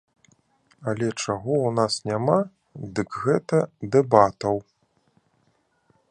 Але чаго ў нас няма, дык гэта дэбатаў.